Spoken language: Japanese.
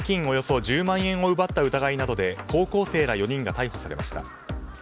およそ１０万円を奪った疑いなどで高校生ら４人が逮捕されました。